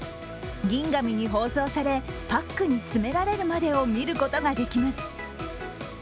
銀紙に包装されパックに詰められるまでを見ることができます。